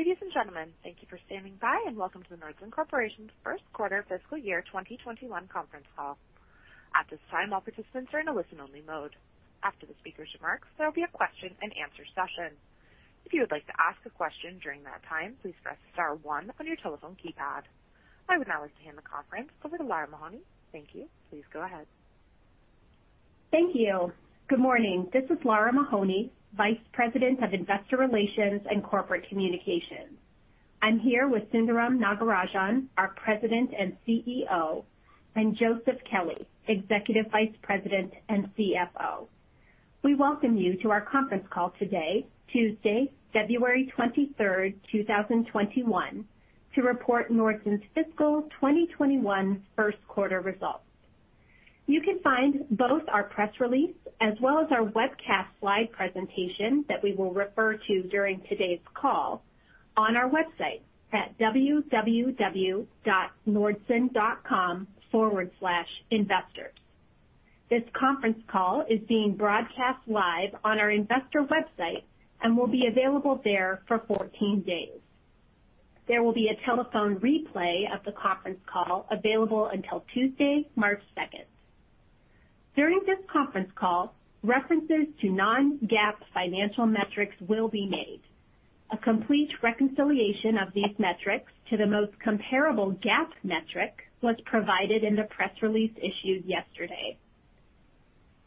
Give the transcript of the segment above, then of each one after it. Ladies and gentlemen, thank you for standing by and welcome to the Nordson Corporation's first quarter fiscal year 2021 conference call. At this time, all participants are in a listen-only mode. After the speakers' remarks, there will be a question and answer session. If you would like to ask a question during that time, please press star one on your telephone keypad. I would now like to hand the conference over to Lara Mahoney. Thank you. Please go ahead. Thank you. Good morning. This is Lara Mahoney, Vice President of Investor Relations and Corporate Communications. I'm here with Sundaram Nagarajan, our President and CEO, and Joseph Kelley, Executive Vice President and CFO. We welcome you to our conference call today, Tuesday, February 23rd, 2021, to report Nordson's fiscal 2021 first quarter results. You can find both our press release as well as our webcast slide presentation that we will refer to during today's call on our website at www.nordson.com/investors. This conference call is being broadcast live on our investor website and will be available there for 14 days. There will be a telephone replay of the conference call available until Tuesday, March 2nd. During this conference call, references to non-GAAP financial metrics will be made. A complete reconciliation of these metrics to the most comparable GAAP metric was provided in the press release issued yesterday.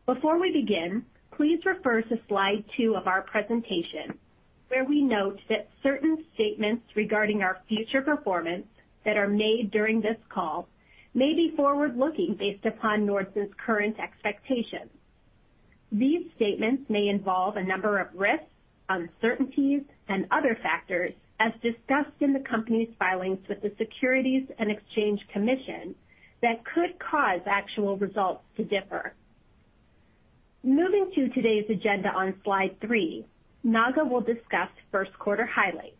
Before we begin, please refer to slide two of our presentation, where we note that certain statements regarding our future performance that are made during this call may be forward-looking based upon Nordson's current expectations. These statements may involve a number of risks, uncertainties, and other factors as discussed in the company's filings with the Securities and Exchange Commission that could cause actual results to differ. Moving to today's agenda on slide three, Naga will discuss first quarter highlights.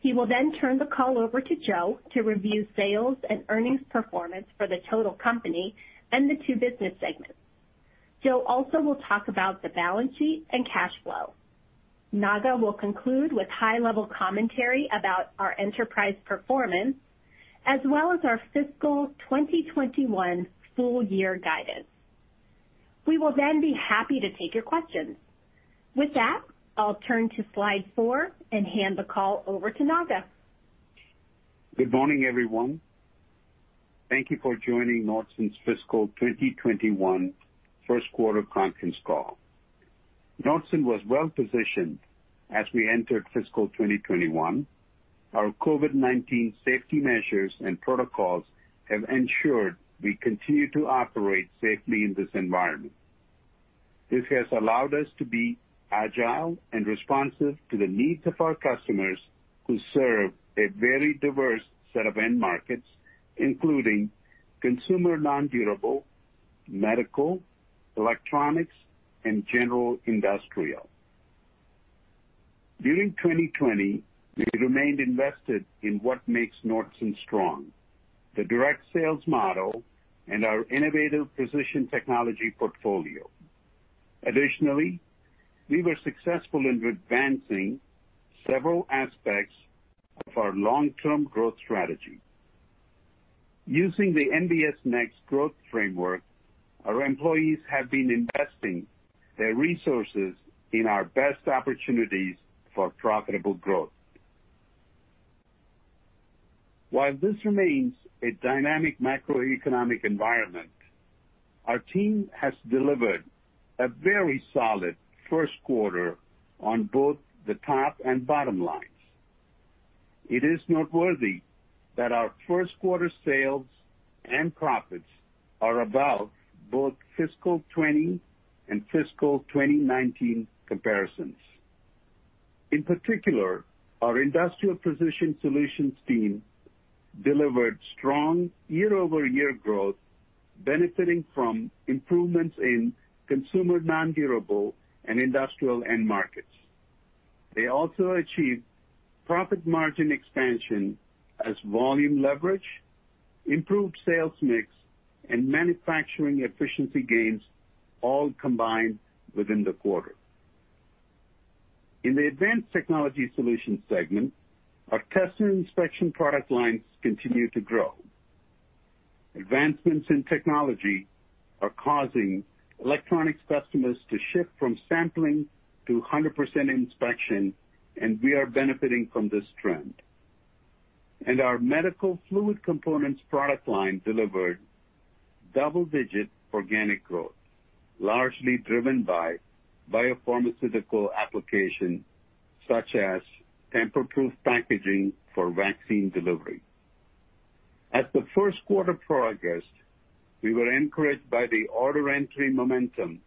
He will then turn the call over to Joe to review sales and earnings performance for the total company and the two business segments. Joe also will talk about the balance sheet and cash flow. Naga will conclude with high-level commentary about our enterprise performance, as well as our fiscal 2021 full-year guidance. We will then be happy to take your questions. With that, I'll turn to slide four and hand the call over to Naga. Good morning, everyone. Thank you for joining Nordson's fiscal 2021 first quarter conference call. Nordson was well-positioned as we entered fiscal 2021. Our COVID-19 safety measures and protocols have ensured we continue to operate safely in this environment. This has allowed us to be agile and responsive to the needs of our customers who serve a very diverse set of end markets, including consumer non-durable, medical, electronics, and general industrial. During 2020, we remained invested in what makes Nordson strong, the direct sales model and our innovative precision technology portfolio. Additionally, we were successful in advancing several aspects of our long-term growth strategy. Using the NBS Next growth framework, our employees have been investing their resources in our best opportunities for profitable growth. While this remains a dynamic macroeconomic environment, our team has delivered a very solid first quarter on both the top and bottom lines. It is noteworthy that our first quarter sales and profits are above both fiscal 2020 and fiscal 2019 comparisons. In particular, our Industrial Precision Solutions team delivered strong year-over-year growth, benefiting from improvements in consumer non-durable and industrial end markets. They also achieved profit margin expansion as volume leverage, improved sales mix, and manufacturing efficiency gains all combined within the quarter. In the Advanced Technology Solutions segment, our test and inspection product lines continue to grow. Advancements in technology are causing electronics customers to shift from sampling to 100% inspection, and we are benefiting from this trend. Our medical fluid components product line delivered double-digit organic growth, largely driven by biopharmaceutical applications such as tamper-proof packaging for vaccine delivery. At the first quarter progress, we were encouraged by the order entry momentum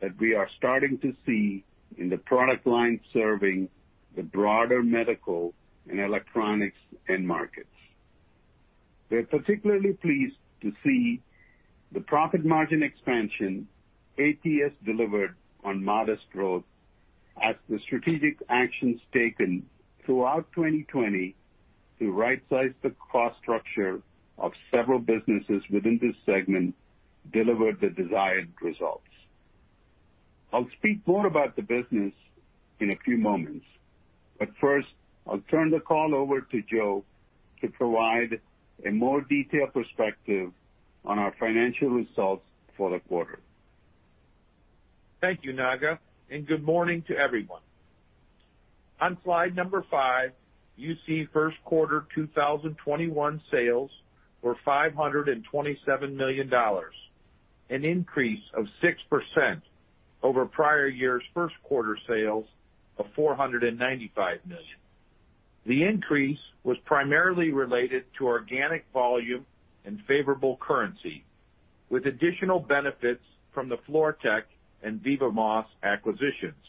that we are starting to see in the product lines serving the broader medical and electronics end markets. We're particularly pleased to see the profit margin expansion ATS delivered on modest growth as the strategic actions taken throughout 2020 to right-size the cost structure of several businesses within this segment delivered the desired results. I'll speak more about the business in a few moments, but first, I'll turn the call over to Joe to provide a more detailed perspective on our financial results for the quarter. Thank you, Naga, good morning to everyone. On slide number five, you see first quarter 2021 sales were $527 million, an increase of 6% over prior year's first quarter sales of $495 million. The increase was primarily related to organic volume and favorable currency, with additional benefits from the Fluortek and vivaMOS acquisitions.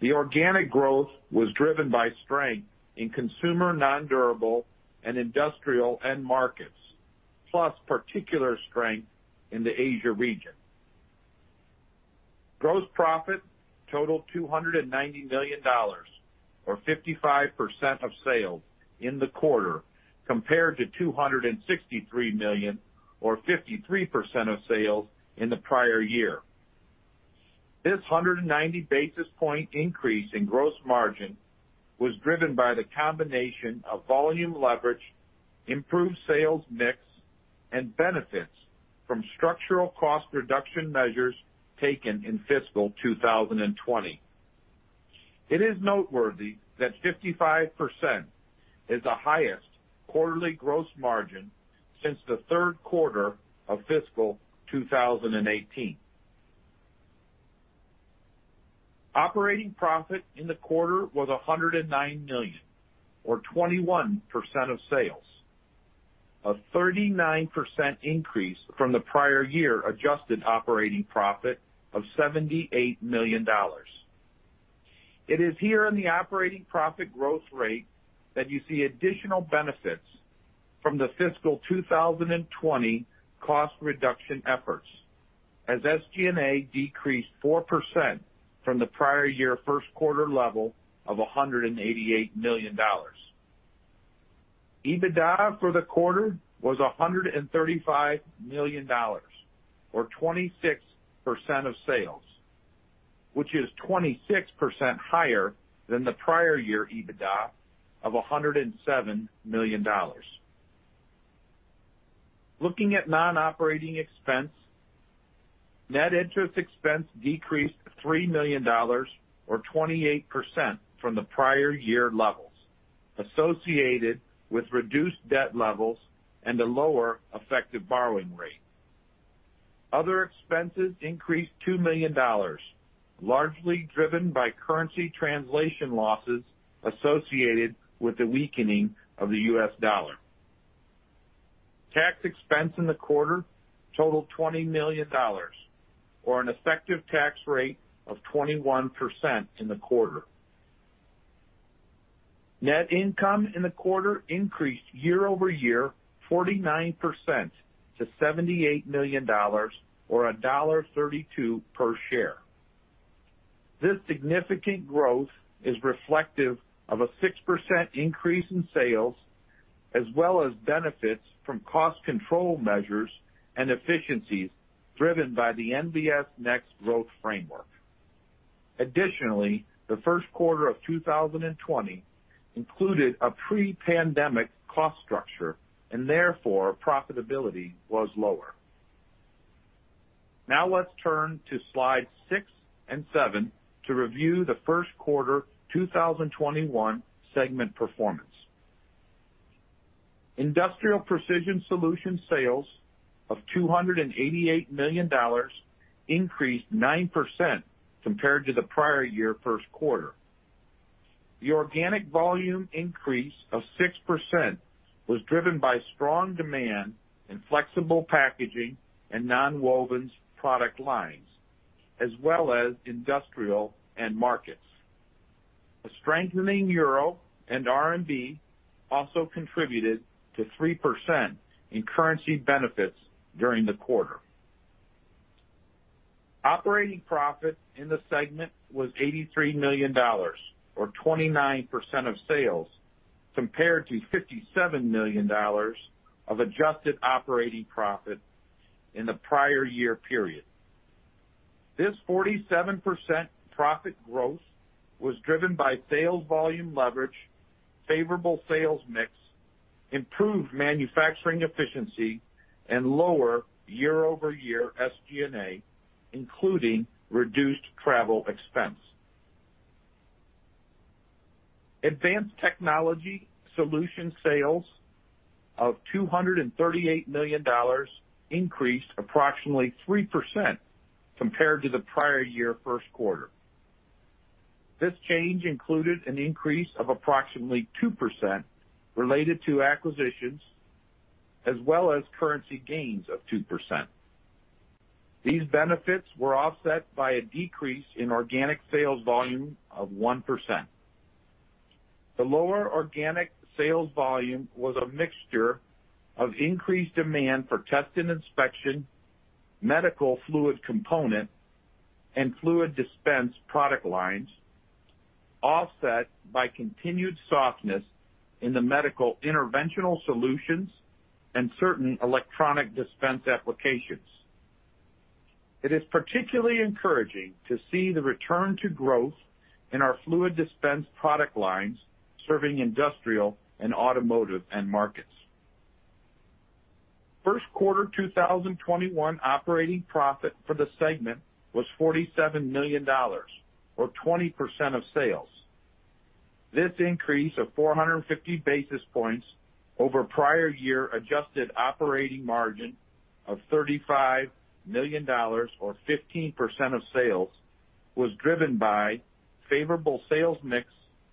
The organic growth was driven by strength in consumer non-durable and industrial end markets, plus particular strength in the Asia region. Gross profit totaled $290 million or 55% of sales in the quarter, compared to $263 million or 53% of sales in the prior year. This 190 basis point increase in gross margin was driven by the combination of volume leverage, improved sales mix, and benefits from structural cost reduction measures taken in fiscal 2020. It is noteworthy that 55% is the highest quarterly gross margin since the third quarter of fiscal 2018. Operating profit in the quarter was $109 million, or 21% of sales, a 39% increase from the prior year adjusted operating profit of $78 million. It is here in the operating profit growth rate that you see additional benefits from the fiscal 2020 cost reduction efforts, as SG&A decreased 4% from the prior year first quarter level of $188 million. EBITDA for the quarter was $135 million, or 26% of sales, which is 26% higher than the prior year EBITDA of $107 million. Looking at non-operating expense, net interest expense decreased $3 million, or 28%, from the prior year levels, associated with reduced debt levels and a lower effective borrowing rate. Other expenses increased $2 million, largely driven by currency translation losses associated with the weakening of the U.S. dollar. Tax expense in the quarter totaled $20 million, or an effective tax rate of 21% in the quarter. Net income in the quarter increased year-over-year 49% to $78 million, or $1.32 per share. This significant growth is reflective of a 6% increase in sales, as well as benefits from cost control measures and efficiencies driven by the NBS Next growth framework. Additionally, the first quarter of 2020 included a pre-pandemic cost structure, and therefore, profitability was lower. Now let's turn to slide six and seven to review the first quarter 2021 segment performance. Industrial Precision Solutions sales of $288 million increased 9% compared to the prior year first quarter. The organic volume increase of 6% was driven by strong demand in flexible packaging and nonwovens product lines, as well as industrial end markets. A strengthening euro and RMB also contributed to 3% in currency benefits during the quarter. Operating profit in the segment was $83 million, or 29% of sales, compared to $57 million of adjusted operating profit in the prior year period. This 47% profit growth was driven by sales volume leverage, favorable sales mix, improved manufacturing efficiency, and lower year-over-year SG&A, including reduced travel expense. Advanced Technology Solutions sales of $238 million increased approximately 3% compared to the prior year first quarter. This change included an increase of approximately 2% related to acquisitions, as well as currency gains of 2%. These benefits were offset by a decrease in organic sales volume of 1%. The lower organic sales volume was a mixture of increased demand for test and inspection, medical fluid component, and fluid dispense product lines offset by continued softness in the medical interventional solutions and certain electronic dispense applications. It is particularly encouraging to see the return to growth in our fluid dispense product lines serving industrial and automotive end markets. First quarter 2021 operating profit for the segment was $47 million, or 20% of sales. This increase of 450 basis points over prior year adjusted operating margin of $35 million, or 15% of sales, was driven by favorable sales mix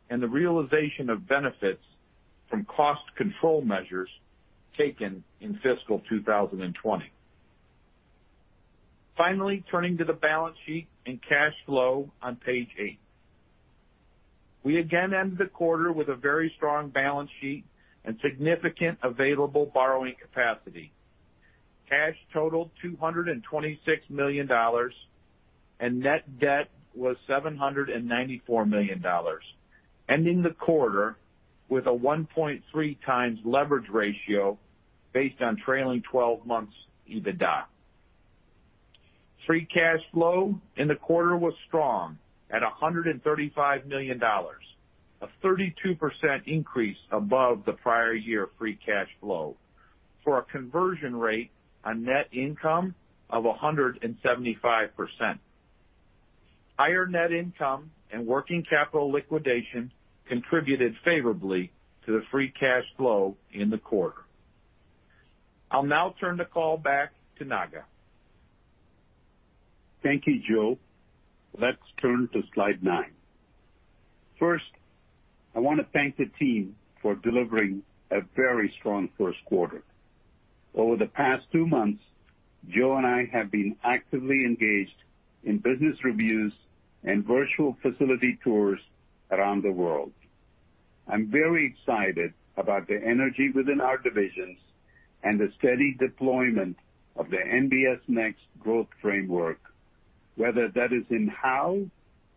and the realization of benefits from cost control measures taken in fiscal 2020. Finally, turning to the balance sheet and cash flow on page eight. We again ended the quarter with a very strong balance sheet and significant available borrowing capacity. Cash totaled $226 million, and net debt was $794 million, ending the quarter with a 1.3x leverage ratio based on trailing 12 months EBITDA. Free cash flow in the quarter was strong at $135 million, a 32% increase above the prior year free cash flow, for a conversion rate on net income of 175%. Higher net income and working capital liquidation contributed favorably to the free cash flow in the quarter. I'll now turn the call back to Naga. Thank you, Joe. Let's turn to slide nine. First, I want to thank the team for delivering a very strong first quarter. Over the past two months, Joe and I have been actively engaged in business reviews and virtual facility tours around the world. I'm very excited about the energy within our divisions and the steady deployment of the NBS Next growth framework, whether that is in how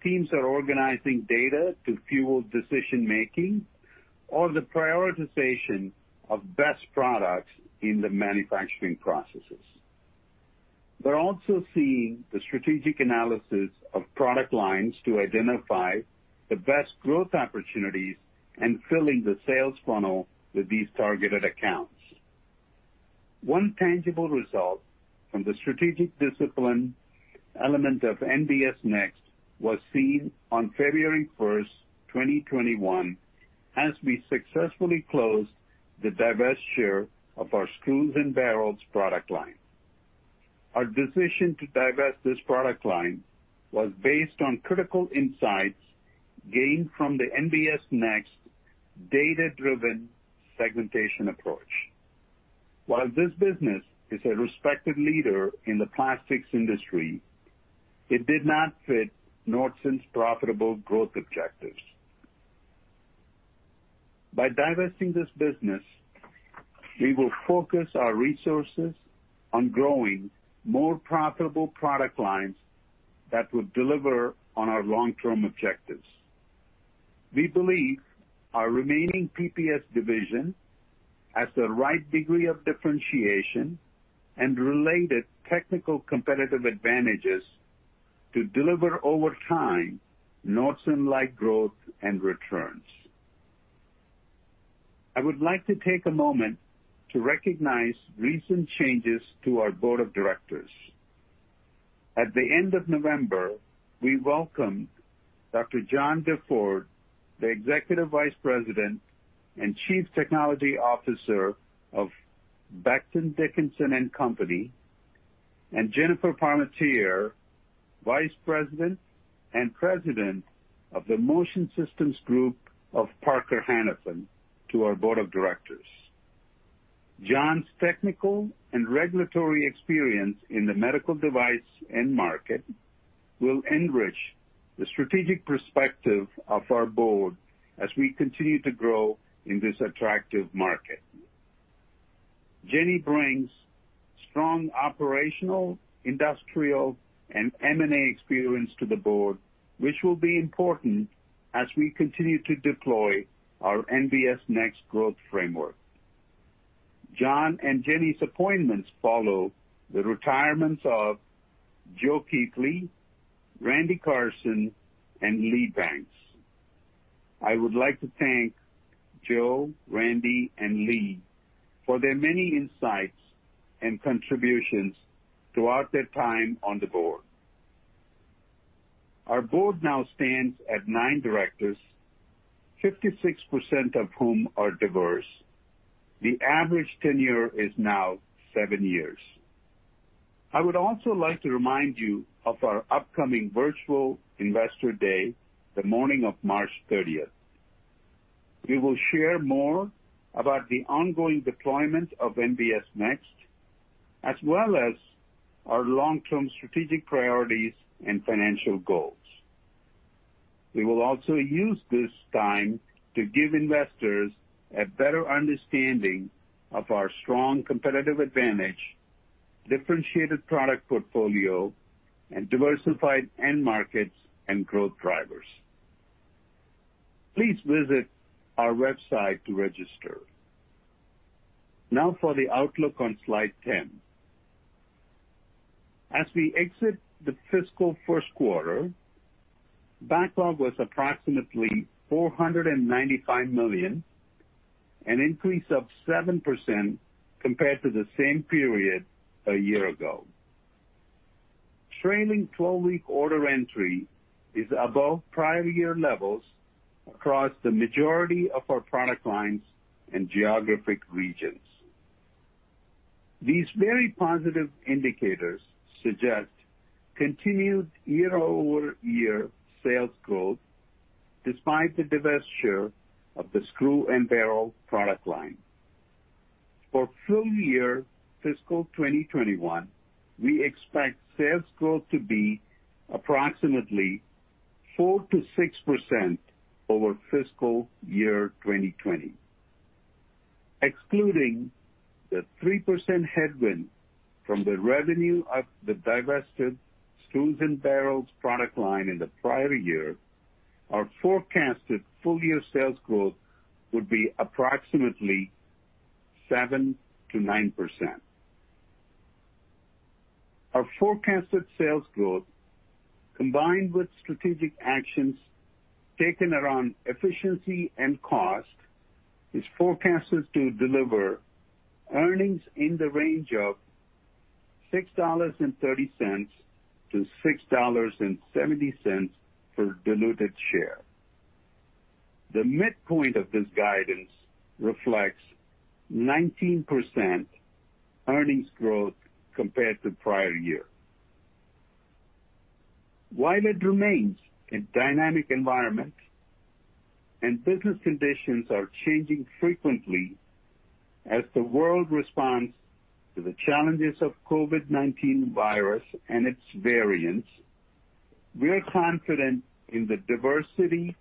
teams are organizing data to fuel decision-making, or the prioritization of best products in the manufacturing processes. We're also seeing the strategic analysis of product lines to identify the best growth opportunities and filling the sales funnel with these targeted accounts. One tangible result from the strategic discipline element of NBS Next was seen on February 1st, 2021, as we successfully closed the divestiture of our screws and barrels product line. Our decision to divest this product line was based on critical insights gained from the NBS Next data-driven segmentation approach. While this business is a respected leader in the plastics industry, it did not fit Nordson's profitable growth objectives. By divesting this business, we will focus our resources on growing more profitable product lines that will deliver on our long-term objectives. We believe our remaining PPS division has the right degree of differentiation and related technical competitive advantages to deliver over time, Nordson-like growth and returns. I would like to take a moment to recognize recent changes to our board of directors. At the end of November, we welcomed Dr. John DeFord, the Executive Vice President and Chief Technology Officer of Becton, Dickinson and Company, and Jennifer Parmentier, Vice President and President of the Motion Systems Group of Parker Hannifin, to our board of directors. John's technical and regulatory experience in the medical device end market will enrich the strategic perspective of our board as we continue to grow in this attractive market. Jenny brings strong operational, industrial, and M&A experience to the board, which will be important as we continue to deploy our NBS Next growth framework. John and Jenny's appointments follow the retirements of Joseph Keithley, Randolph Carson, and Lee Banks. I would like to thank Joe, Randy, and Lee for their many insights and contributions throughout their time on the board. Our board now stands at nine directors, 56% of whom are diverse. The average tenure is now seven years. I would also like to remind you of our upcoming virtual Investor Day, the morning of March 30th. We will share more about the ongoing deployment of NBS Next, as well as our long-term strategic priorities and financial goals. We will also use this time to give investors a better understanding of our strong competitive advantage, differentiated product portfolio, and diversified end markets and growth drivers. Please visit our website to register. Now for the outlook on Slide 10. As we exit the fiscal first quarter, backlog was approximately $495 million, an increase of 7% compared to the same period a year ago. Trailing 12-week order entry is above prior year levels across the majority of our product lines and geographic regions. These very positive indicators suggest continued year-over-year sales growth despite the divestiture of the screw and barrel product line. For full year fiscal 2021, we expect sales growth to be approximately 4%-6% over fiscal year 2020. Excluding the 3% headwind from the revenue of the divested screws and barrels product line in the prior year, our forecasted full-year sales growth would be approximately 7%-9%. Our forecasted sales growth, combined with strategic actions taken around efficiency and cost, is forecasted to deliver earnings in the range of $6.30-$6.70 per diluted share. The midpoint of this guidance reflects 19% earnings growth compared to prior year. While it remains a dynamic environment and business conditions are changing frequently as the world responds to the challenges of COVID-19 virus and its variants, we are confident in the diversity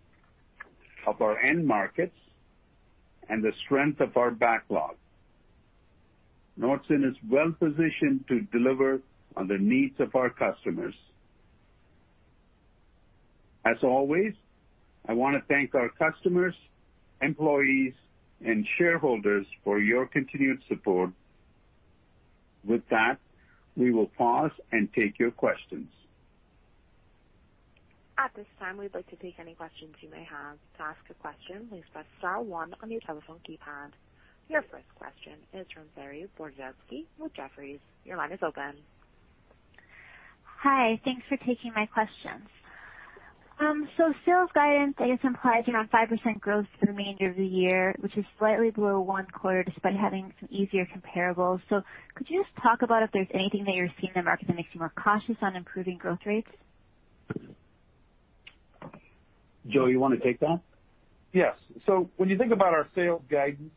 of our end markets and the strength of our backlog. Nordson is well-positioned to deliver on the needs of our customers. As always, I want to thank our customers, employees, and shareholders for your continued support. With that, we will pause and take your questions. At this time, we'd like to take any questions you may have. To ask a question, please press star one on your telephone keypad. Your first question is from Saree Boroditsky with Jefferies. Your line is open. Hi. Thanks for taking my questions. Sales guidance, I guess, implies around 5% growth for the remainder of the year, which is slightly below one quarter despite having some easier comparables. Could you just talk about if there's anything that you're seeing in the market that makes you more cautious on improving growth rates? Joe, you want to take that? Yes. When you think about our sales guidance,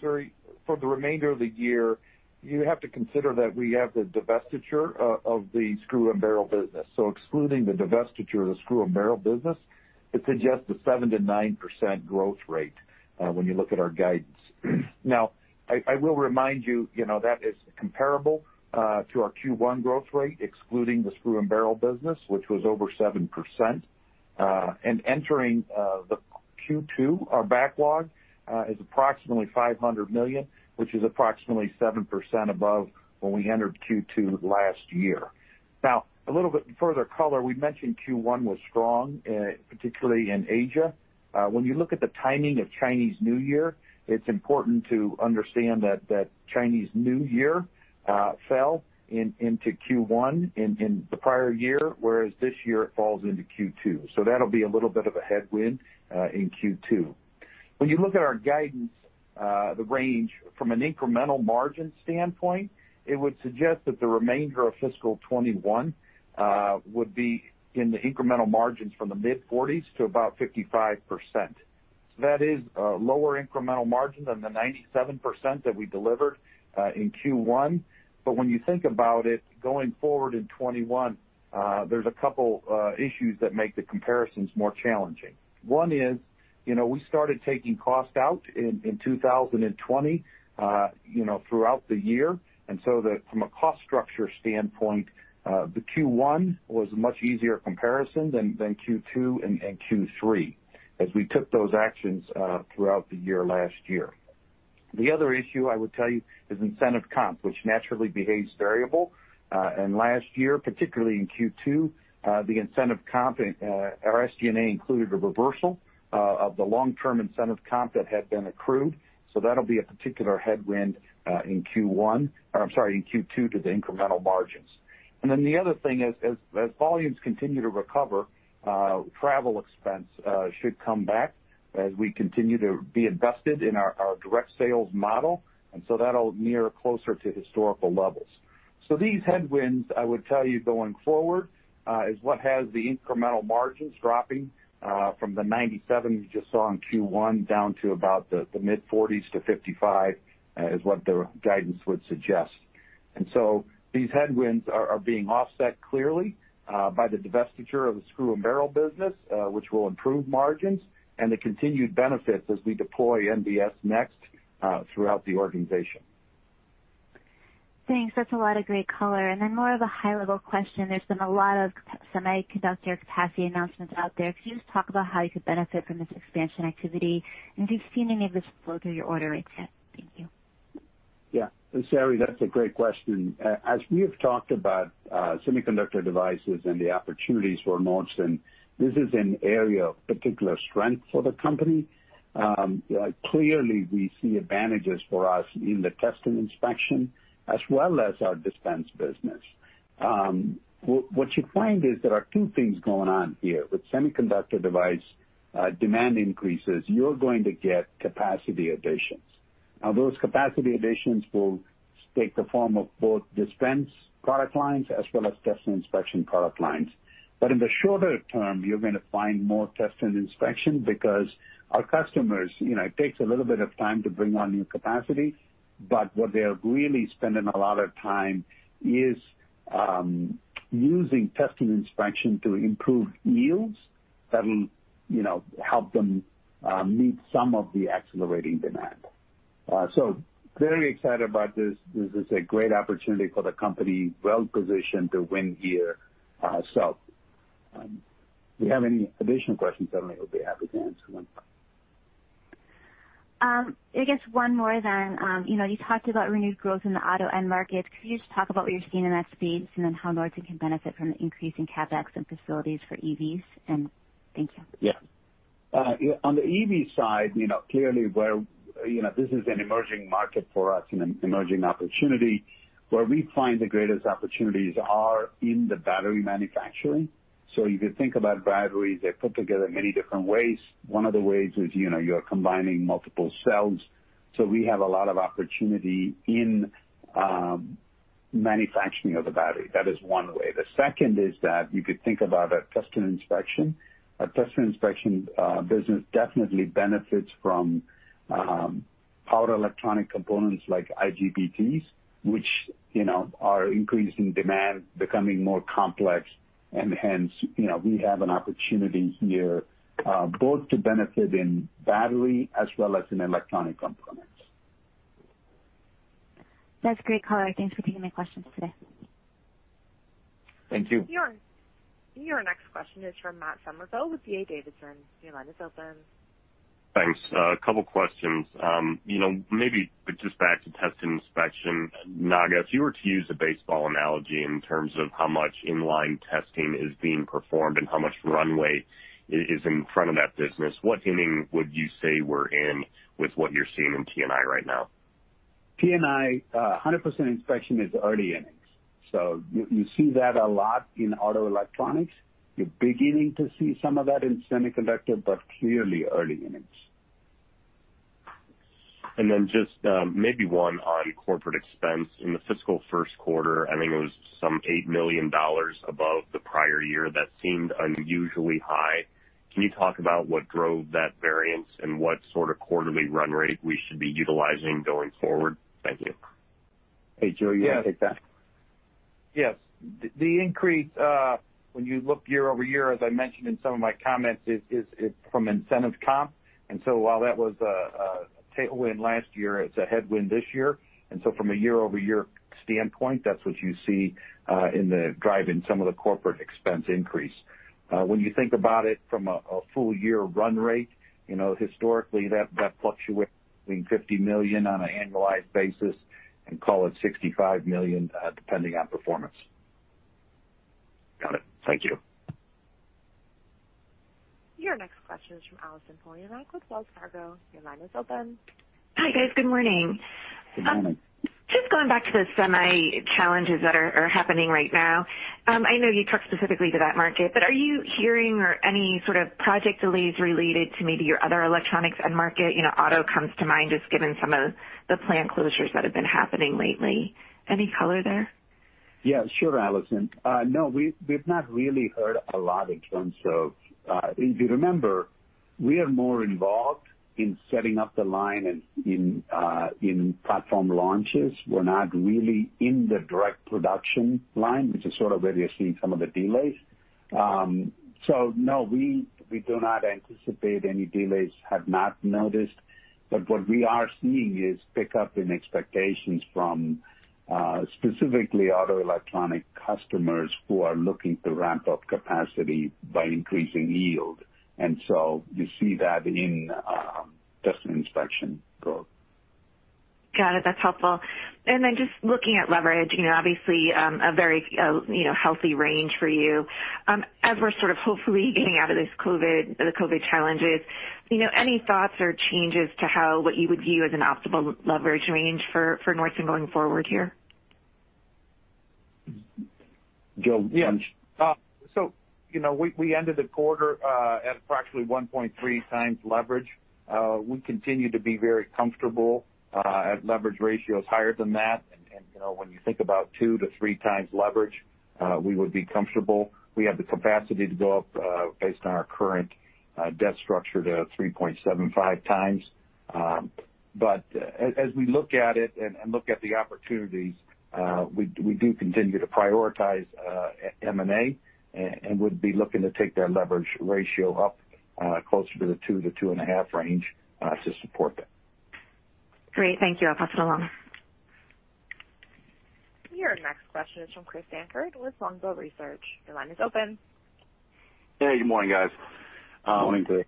Saree, for the remainder of the year, you have to consider that we have the divestiture of the screw and barrel business. Excluding the divestiture of the screw and barrel business, it suggests a 7%-9% growth rate when you look at our guidance. I will remind you, that is comparable to our Q1 growth rate, excluding the screw and barrel business, which was over 7%. Entering the Q2, our backlog is approximately 500 million, which is approximately 7% above when we entered Q2 last year. A little bit further color. We mentioned Q1 was strong, particularly in Asia. When you look at the timing of Chinese New Year, it's important to understand that Chinese New Year fell into Q1 in the prior year, whereas this year it falls into Q2. That'll be a little bit of a headwind in Q2. When you look at our guidance, the range from an incremental margin standpoint, it would suggest that the remainder of fiscal 2021 would be in the incremental margins from the mid-40%s to about 55%. That is a lower incremental margin than the 97% that we delivered in Q1. When you think about it going forward in 2021, there's a couple issues that make the comparisons more challenging. One is, we started taking cost out in 2020 throughout the year. From a cost structure standpoint, the Q1 was a much easier comparison than Q2 and Q3, as we took those actions throughout the year last year. The other issue I would tell you is incentive comp, which naturally behaves variable. Last year, particularly in Q2, the incentive comp, our SG&A included a reversal of the long-term incentive comp that had been accrued. That'll be a particular headwind in Q1, or I'm sorry, in Q2 to the incremental margins. The other thing is, as volumes continue to recover, travel expense should come back as we continue to be invested in our direct sales model. That'll mirror closer to historical levels. These headwinds, I would tell you going forward, is what has the incremental margins dropping from the 97% you just saw in Q1 down to about the mid-40s% to 55%, is what the guidance would suggest. These headwinds are being offset clearly by the divestiture of the screw and barrel business, which will improve margins and the continued benefits as we deploy NBS Next throughout the organization. Thanks. That's a lot of great color. Then more of a high-level question. There's been a lot of semiconductor capacity announcements out there. Could you just talk about how you could benefit from this expansion activity, and have you seen any of this flow through your order rates yet? Thank you. Yeah. Saree, that's a great question. As we have talked about semiconductor devices and the opportunities for Nordson, this is an area of particular strength for the company. Clearly, we see advantages for us in the T&I as well as our dispense business. What you find is there are two things going on here. With semiconductor device demand increases, you're going to get capacity additions. Now, those capacity additions will take the form of both dispense product lines as well as T&I product lines. In the shorter term, you're going to find more T&I because our customers, it takes a little bit of time to bring on new capacity, but what they are really spending a lot of time is using T&I to improve yields that'll help them meet some of the accelerating demand. Very excited about this. This is a great opportunity for the company, well-positioned to win here. If you have any additional questions, certainly would be happy to answer them. I guess one more then. You talked about renewed growth in the auto end market. Could you just talk about what you're seeing in that space, and then how Nordson can benefit from the increase in CapEx and facilities for EVs? Thank you. Yeah. On the EV side, clearly this is an emerging market for us, an emerging opportunity. Where we find the greatest opportunities are in the battery manufacturing. You could think about batteries, they're put together in many different ways. One of the ways is you're combining multiple cells. We have a lot of opportunity in manufacturing of the battery. That is one way. The second is that you could think about a test and inspection. A test and inspection business definitely benefits from power electronic components like IGBTs, which are increasing demand, becoming more complex, and hence, we have an opportunity here, both to benefit in battery as well as in electronic components. That's great color. Thanks for taking my questions today. Thank you. Your next question is from Matt Summerville with D.A. Davidson. Your line is open. Thanks. A couple questions. Maybe just back to test and inspection. Naga, if you were to use a baseball analogy in terms of how much in-line testing is being performed and how much runway is in front of that business, what inning would you say we're in with what you're seeing in T&I right now? T&I, 100% inspection is early innings. You see that a lot in auto electronics. You're beginning to see some of that in semiconductor, but clearly early innings. Just maybe one on corporate expense. In the fiscal first quarter, I think it was some $8 million above the prior year. That seemed unusually high. Can you talk about what drove that variance and what sort of quarterly run rate we should be utilizing going forward? Thank you. Hey, Joe, you want to take that? Yes. The increase, when you look year-over-year, as I mentioned in some of my comments, is from incentive comp. While that was a tailwind last year, it's a headwind this year. From a year-over-year standpoint, that's what you see driving some of the corporate expense increase. When you think about it from a full year run rate, historically, that fluctuates between $50 million on an annualized basis and call it $65 million, depending on performance. Got it. Thank you. Your next question is from Allison Poliniak with Wells Fargo. Your line is open. Hi, guys. Good morning. Good morning. Going back to the semi challenges that are happening right now. I know you talked specifically to that market, are you hearing any sort of project delays related to maybe your other electronics end market? Auto comes to mind, just given some of the plant closures that have been happening lately. Any color there? Yeah, sure, Allison. No, we've not really heard a lot. If you remember, we are more involved in setting up the line and in platform launches. We're not really in the direct production line, which is sort of where you're seeing some of the delays. No, we do not anticipate any delays, have not noticed. What we are seeing is pickup in expectations from specifically auto electronic customers who are looking to ramp up capacity by increasing yield. You see that in test and inspection growth. Got it. That's helpful. Just looking at leverage, obviously, a very healthy range for you. As we're sort of hopefully getting out of the COVID challenges, any thoughts or changes to what you would view as an optimal leverage range for Nordson going forward here? Joe, why don't you? We ended the quarter at approximately 1.3x leverage. We continue to be very comfortable at leverage ratios higher than that. When you think about two to three times leverage, we would be comfortable. We have the capacity to go up based on our current debt structure to 3.75x. As we look at it and look at the opportunities, we do continue to prioritize M&A, and would be looking to take that leverage ratio up closer to the 2x-2.5x range to support that. Great. Thank you. I'll pass it along. Your next question is from Chris Dankert with Longbow Research. Your line is open. Hey, good morning, guys. Morning. I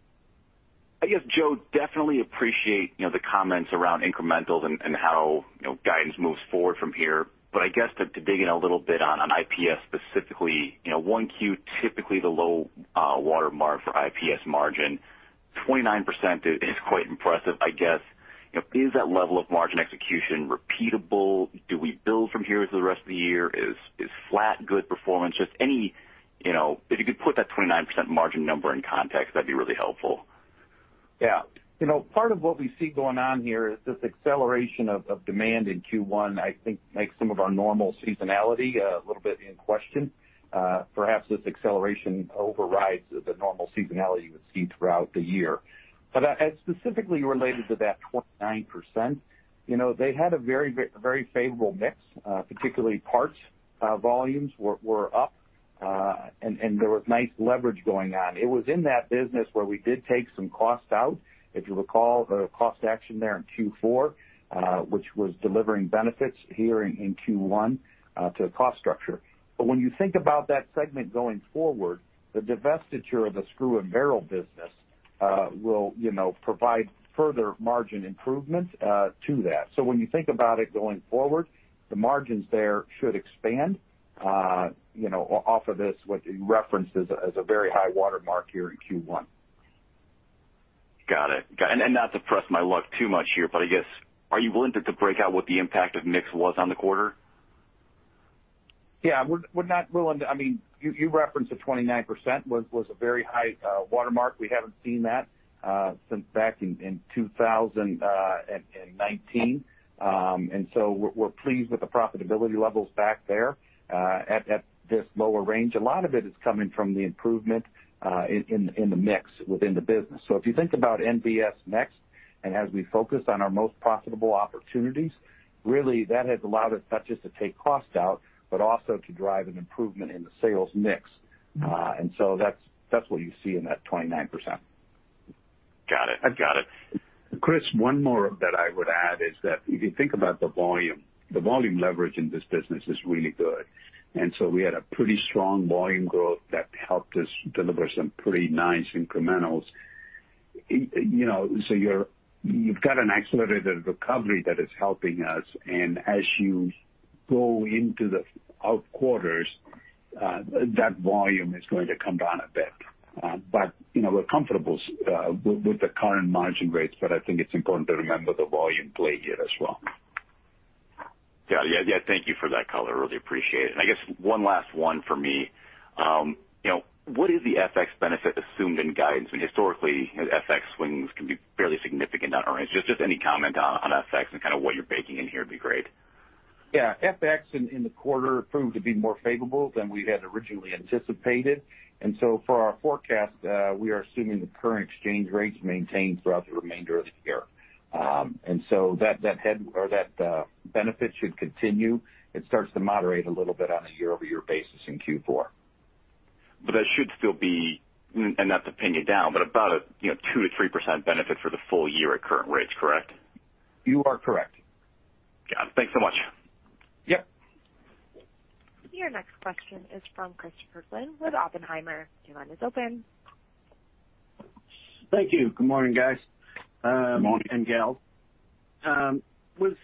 guess, Joe, definitely appreciate the comments around incrementals and how guidance moves forward from here. I guess to dig in a little bit on IPS specifically, 1Q, typically the low watermark for IPS margin, 29% is quite impressive. I guess, is that level of margin execution repeatable? Do we build from here through the rest of the year? Is flat good performance? If you could put that 29% margin number in context, that'd be really helpful. Part of what we see going on here is this acceleration of demand in Q1, I think makes some of our normal seasonality a little bit in question. Perhaps this acceleration overrides the normal seasonality you would see throughout the year. Specifically related to that 29%, they had a very favorable mix, particularly parts volumes were up, and there was nice leverage going on. It was in that business where we did take some cost out. If you recall the cost action there in Q4, which was delivering benefits here in Q1 to the cost structure. When you think about that segment going forward, the divestiture of the screw and barrel business will provide further margin improvements to that. When you think about it going forward, the margins there should expand off of this, what you referenced as a very high watermark here in Q1. Got it. Not to press my luck too much here, but I guess, are you willing to break out what the impact of mix was on the quarter? Yeah. You referenced the 29% was a very high watermark. We haven't seen that since back in 2019. We're pleased with the profitability levels back there at this lower range. A lot of it is coming from the improvement in the mix within the business. If you think about NBS Next, and as we focus on our most profitable opportunities, really that has allowed us not just to take cost out, but also to drive an improvement in the sales mix. That's what you see in that 29%. Got it. Chris, one more that I would add is that if you think about the volume, the volume leverage in this business is really good. We had a pretty strong volume growth that helped us deliver some pretty nice incrementals. You've got an accelerated recovery that is helping us, and as you go into the out quarters, that volume is going to come down a bit. We're comfortable with the current margin rates, but I think it's important to remember the volume play here as well. Yeah. Thank you for that color. Really appreciate it. I guess one last one for me. What is the FX benefit assumed in guidance? I mean, historically, FX swings can be fairly significant on earnings. Just any comment on FX and kind of what you're baking in here would be great. Yeah. FX in the quarter proved to be more favorable than we had originally anticipated. For our forecast, we are assuming the current exchange rates maintained throughout the remainder of the year. That benefit should continue. It starts to moderate a little bit on a year-over-year basis in Q4. That should still be, and not to pin you down, but about a 2%-3% benefit for the full year at current rates, correct? You are correct. Got it. Thanks so much. Yep. Your next question is from Christopher Glynn with Oppenheimer. Your line is open. Thank you. Good morning, guys. Morning. Gals. Was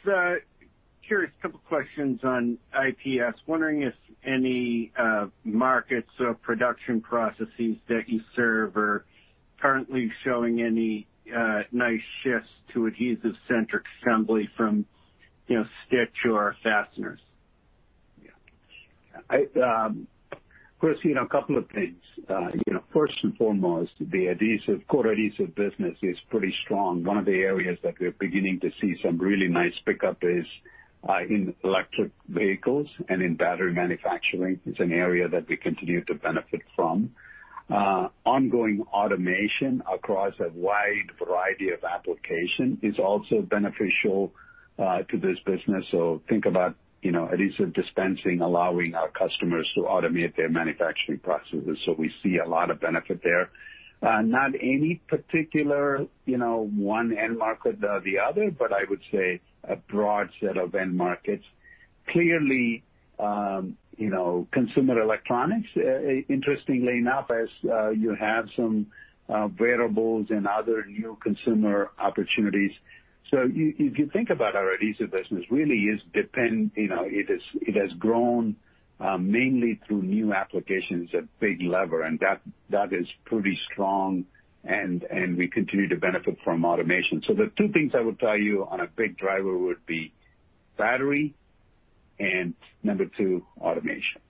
curious, couple questions on IPS. Wondering if any markets or production processes that you serve are currently showing any nice shifts to adhesive-centric assembly from stitch or fasteners. Chris, a couple of things. First and foremost, the core adhesive business is pretty strong. One of the areas that we're beginning to see some really nice pickup is in electric vehicles and in battery manufacturing. It's an area that we continue to benefit from. Ongoing automation across a wide variety of application is also beneficial to this business. Think about adhesive dispensing allowing our customers to automate their manufacturing processes. We see a lot of benefit there. Not any particular one end market or the other, but I would say a broad set of end markets. Clearly, consumer electronics, interestingly enough, as you have some wearables and other new consumer opportunities. If you think about our adhesive business, it has grown mainly through new applications, a big lever, and that is pretty strong and we continue to benefit from automation. The two things I would tell you on a big driver would be battery, and number two, automation.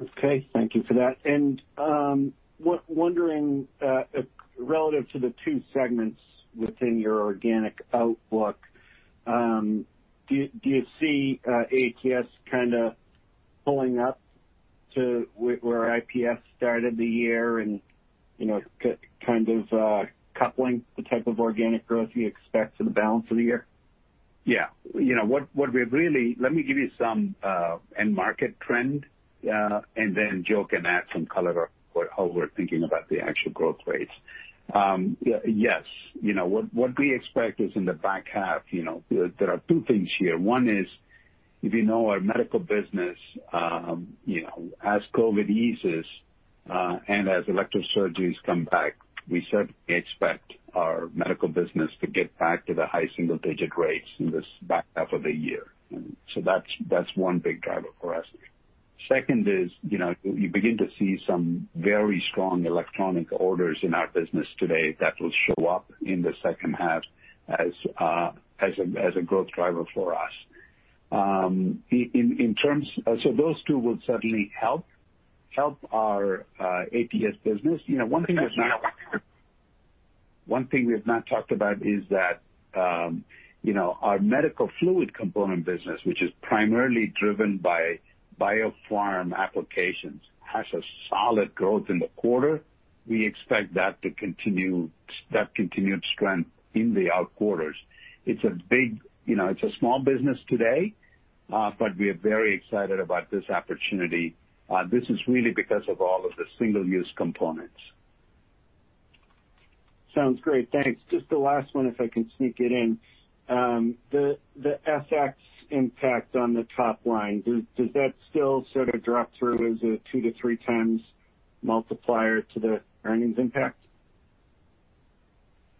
Okay. Thank you for that. Wondering, relative to the two segments within your organic outlook, do you see ATS kind of pulling up to where IPS started the year and kind of coupling the type of organic growth you expect for the balance of the year? Let me give you some end market trend. Joe can add some color on how we're thinking about the actual growth rates. What we expect is in the back half. There are two things here. One is, if you know our medical business, as COVID eases, and as elective surgeries come back, we certainly expect our medical business to get back to the high single-digit rates in this back half of the year. That's one big driver for us. Second is, you begin to see some very strong electronic orders in our business today that will show up in the second half as a growth driver for us. Those two will certainly help our ATS business. One thing we have not talked about is that our medical fluid component business, which is primarily driven by biopharm applications, has a solid growth in the quarter. We expect that continued strength in the out quarters. It's a small business today, but we are very excited about this opportunity. This is really because of all of the single-use components. Sounds great. Thanks. Just the last one, if I can sneak it in. The FX impact on the top line, does that still sort of drop through as a 2x-3x multiplier to the earnings impact?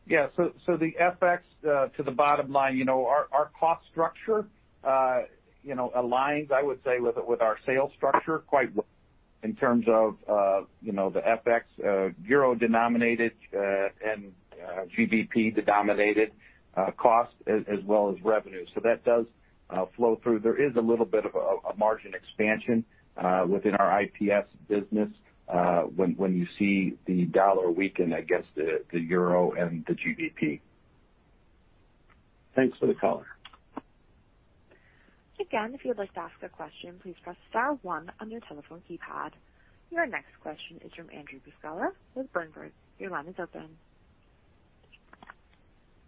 Yeah. The FX to the bottom line, our cost structure aligns, I would say, with our sales structure quite well in terms of the FX euro-denominated and GBP-denominated cost, as well as revenue. That does flow through. There is a little bit of a margin expansion within our IPS business when you see the Dollar weaken against the Euro and the GBP. Thanks for the color. Again, if you would like to ask a question, please press star one on your telephone keypad. Your next question is from Andrew Buscaglia with Berenberg. Your line is open.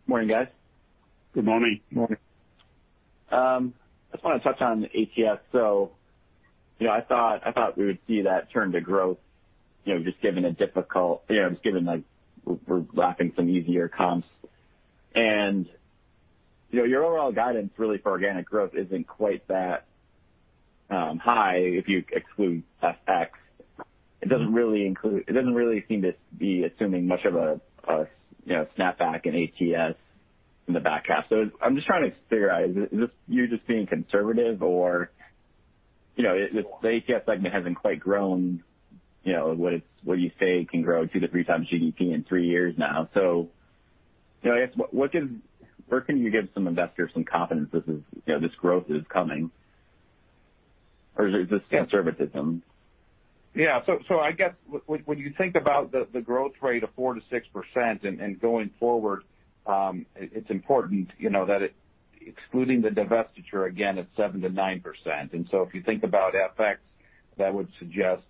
Morning, guys. Good morning. Morning. I just want to touch on ATS. I thought we would see that turn to growth, just given we're lapping some easier comps. Your overall guidance really for organic growth isn't quite that high if you exclude FX. It doesn't really seem to be assuming much of a snapback in ATS in the back half. I'm just trying to figure out, is this you just being conservative or the ATS segment hasn't quite grown what you say it can grow, two to three times GDP in three years now. I guess, where can you give some investors some confidence this growth is coming? Or is this conservatism? Yeah. I guess when you think about the growth rate of 4%-6% and going forward, it's important that excluding the divestiture, again, it's 7%-9%. If you think about FX, that would suggest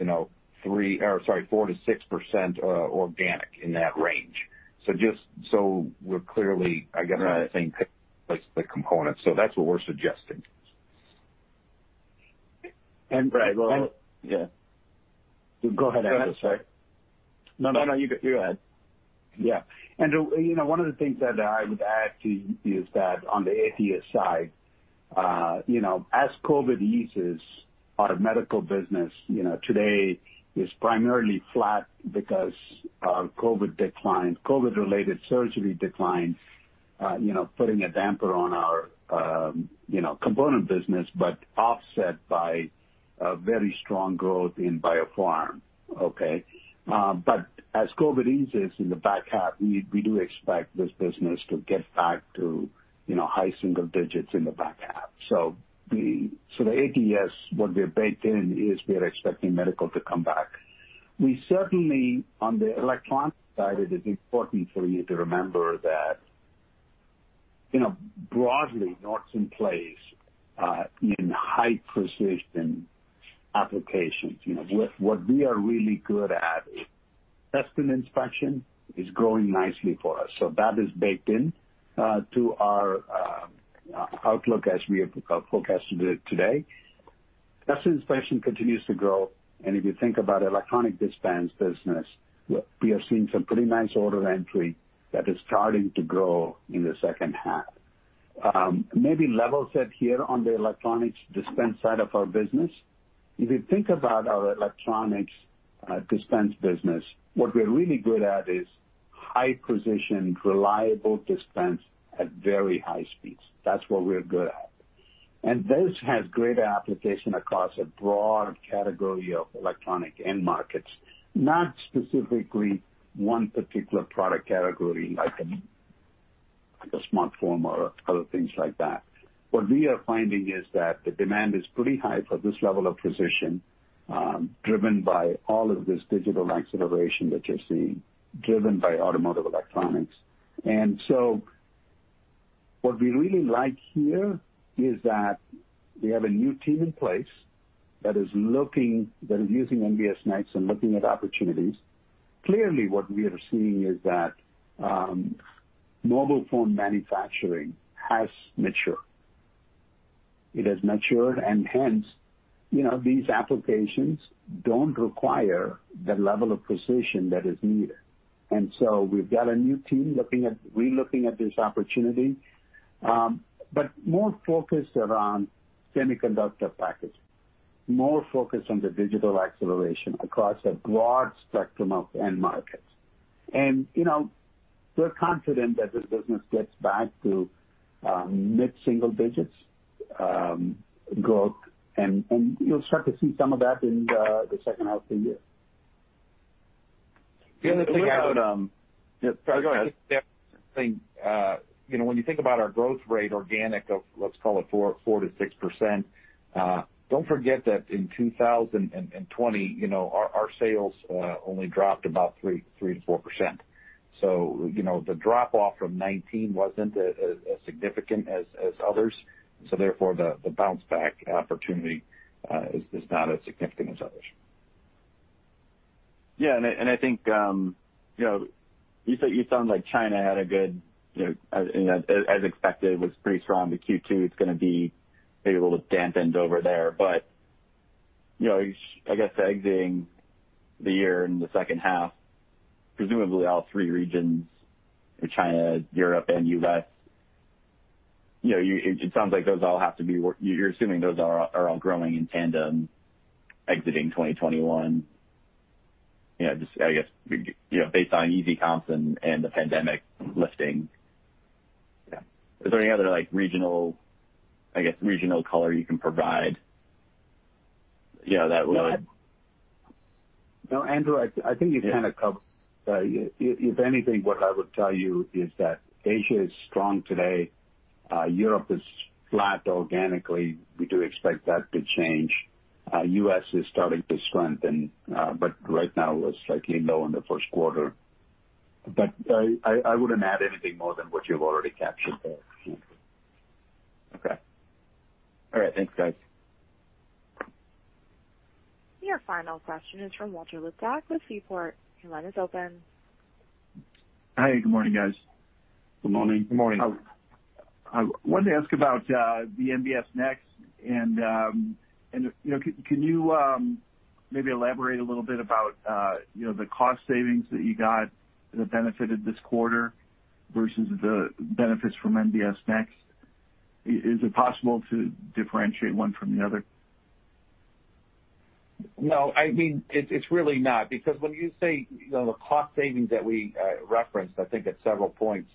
4%-6% organic, in that range. We're clearly, I guess. Right The same place, the components. That's what we're suggesting. And- Right. Yeah. Go ahead, Andrew. Sorry. No, you go ahead. Yeah. One of the things that I would add, too, is that on the ATS side, as COVID-19 eases our medical business, today is primarily flat because our COVID-19 decline, COVID-19-related surgery decline, putting a damper on our component business, but offset by a very strong growth in biopharm. Okay? As COVID-19 eases in the back half, we do expect this business to get back to high single digits in the back half. The ATS, what we are baked in, is we are expecting medical to come back. We certainly, on the electronic side, it is important for you to remember that broadly, Nordson plays in high-precision applications. What we are really good at is test and inspection, is growing nicely for us. That is baked in to our outlook as we have forecasted it today. Test and inspection continues to grow. If you think about electronic dispense business, we are seeing some pretty nice order entry that is starting to grow in the second half. Maybe level set here on the electronics dispense side of our business. If you think about our electronics dispense business, what we're really good at is high-precision, reliable dispense at very high speeds. That's what we're good at. This has great application across a broad category of electronic end markets, not specifically one particular product category like a smartphone or other things like that. What we are finding is that the demand is pretty high for this level of precision, driven by all of this digital acceleration that you're seeing, driven by automotive electronics. What we really like here is that we have a new team in place that is using NBS Next and looking at opportunities. Clearly, what we are seeing is that mobile phone manufacturing has matured. It has matured and hence, these applications don't require the level of precision that is needed. We've got a new team re-looking at this opportunity, but more focused around semiconductor packaging, more focused on the digital acceleration across a broad spectrum of end markets. We're confident that this business gets back to mid-single digits growth, and you'll start to see some of that in the second half of the year. The other thing I would- Sorry, go ahead. When you think about our growth rate organic of, let's call it 4%-6%, don't forget that in 2020, our sales only dropped about 3%-4%. The drop-off from 2019 wasn't as significant as others. Therefore, the bounce back opportunity is not as significant as others. Yeah, I think you sound like China had a good, as expected, was pretty strong to Q2. It's going to be maybe a little dampened over there. I guess exiting the year in the second half, presumably all three regions, China, Europe, and U.S., it sounds like you're assuming those are all growing in tandem exiting 2021. Just, I guess, based on easy comps and the pandemic lifting. Yeah. Is there any other regional color you can provide? No, Andrew, I think you kind of covered. If anything, what I would tell you is that Asia is strong today. Europe is flat organically. We do expect that to change. U.S. is starting to strengthen. Right now, was slightly low in the first quarter. I wouldn't add anything more than what you've already captured there. Okay. All right. Thanks, guys. Your final question is from Walter Liptak with Seaport. Your line is open. Hi, good morning, guys. Good morning. Good morning. I wanted to ask about the NBS Next. Can you maybe elaborate a little bit about the cost savings that you got that benefited this quarter versus the benefits from NBS Next? Is it possible to differentiate one from the other? No, it's really not because when you say the cost savings that we referenced, I think at several points.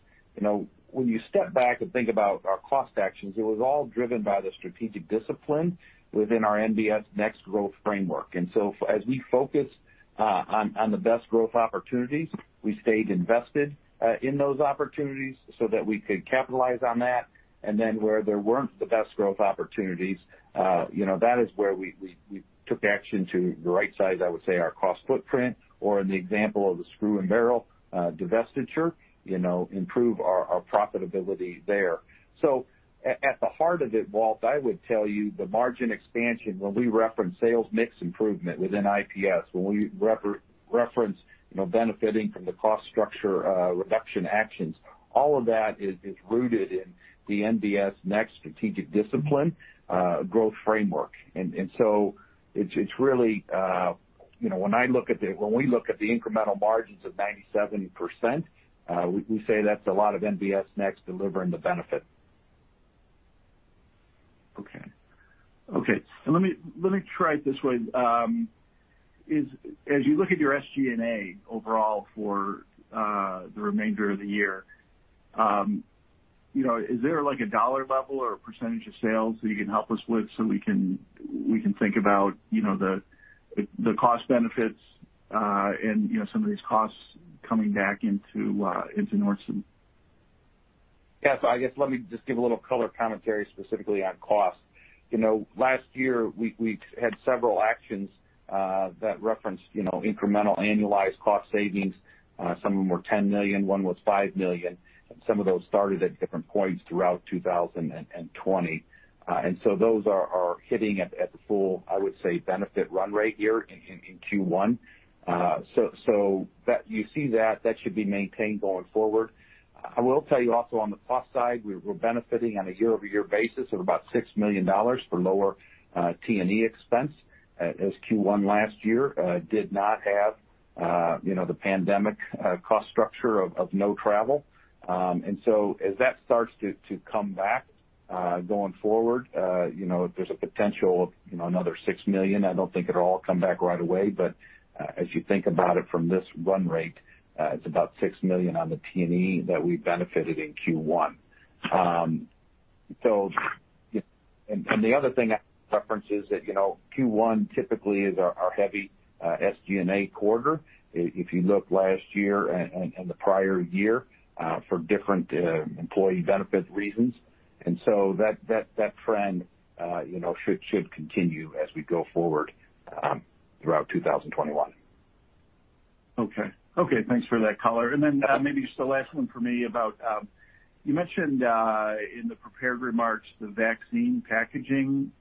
When you step back and think about our cost actions, it was all driven by the strategic discipline within our NBS Next growth framework. As we focused on the best growth opportunities, we stayed invested in those opportunities so that we could capitalize on that. Where there weren't the best growth opportunities, that is where we took action to right-size, I would say, our cost footprint or in the example of the screw and barrel divestiture, improve our profitability there. At the heart of it, Walt, I would tell you the margin expansion when we reference sales mix improvement within IPS, when we reference benefiting from the cost structure reduction actions, all of that is rooted in the NBS Next strategic discipline growth framework. When we look at the incremental margins of 97%, we say that's a lot of NBS Next delivering the benefit. Okay. Let me try it this way. As you look at your SG&A overall for the remainder of the year, is there a dollar level or a percentage of sales that you can help us with so we can think about the cost benefits and some of these costs coming back into Nordson? Yeah. I guess let me just give a little color commentary specifically on cost. Last year, we had several actions that referenced incremental annualized cost savings. Some of them were $10 million, one was $5 million, and some of those started at different points throughout 2020. Those are hitting at the full, I would say, benefit run rate here in Q1. You see that should be maintained going forward. I will tell you also on the cost side, we're benefiting on a year-over-year basis of about $6 million for lower T&E expense, as Q1 last year did not have the pandemic cost structure of no travel. As that starts to come back going forward, there's a potential of another $6 million. I don't think it'll all come back right away. As you think about it from this run rate, it's about $6 million on the T&E that we benefited in Q1. The other thing I reference is that Q1 typically is our heavy SG&A quarter, if you look last year and the prior year, for different employee benefit reasons. That trend should continue as we go forward throughout 2021. Okay. Thanks for that color. Maybe just the last one from me about, you mentioned in the prepared remarks, the vaccine packaging.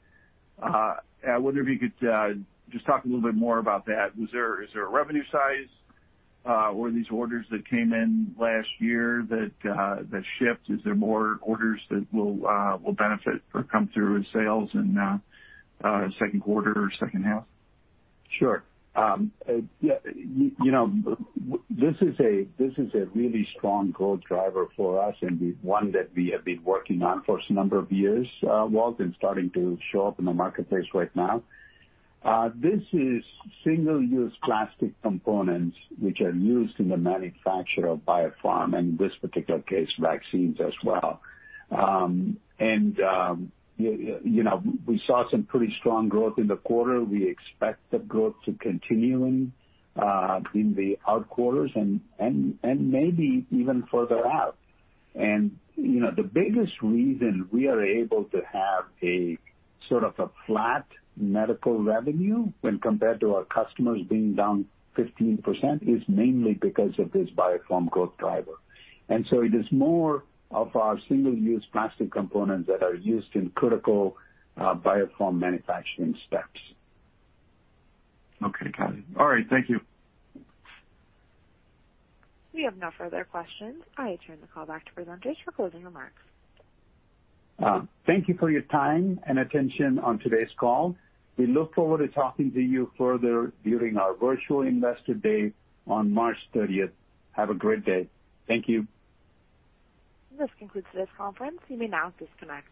I wonder if you could just talk a little bit more about that. Is there a revenue size? Were these orders that came in last year that shipped? Is there more orders that will benefit or come through as sales in second quarter or second half? Sure. This is a really strong growth driver for us and one that we have been working on for some number of years, Walt, starting to show up in the marketplace right now. This is single-use plastic components, which are used in the manufacture of biopharm, in this particular case, vaccines as well. We saw some pretty strong growth in the quarter. We expect the growth to continue in the out quarters and maybe even further out. The biggest reason we are able to have a sort of a flat medical revenue when compared to our customers being down 15% is mainly because of this biopharm growth driver. It is more of our single-use plastic components that are used in critical biopharm manufacturing steps. Okay, got it. All right. Thank you. We have no further questions. I turn the call back to presenters for closing remarks. Thank you for your time and attention on today's call. We look forward to talking to you further during our virtual Investor Day on March 30th. Have a great day. Thank you. This concludes today's conference. You may now disconnect.